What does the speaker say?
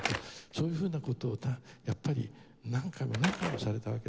そういうふうな事をやっぱり何回も何回もされたわけです。